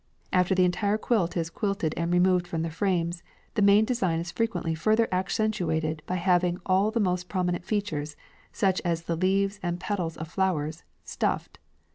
After the entire quilt is quilted and removed from the frames, the main design is frequently further accentuated by having all the most prominent features, such as the leaves and petals of flowers, stuffed.